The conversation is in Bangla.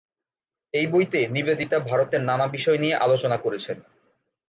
এই বইতে নিবেদিতা ভারতের নানা বিষয় নিয়ে আলোচনা করেছেন।